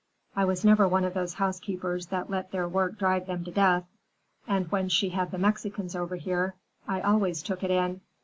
I was never one of these housekeepers that let their work drive them to death. And when she had the Mexicans over here, I always took it in.